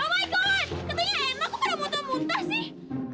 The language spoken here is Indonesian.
oh my god nanti nge end maku kebun bunan muntas sih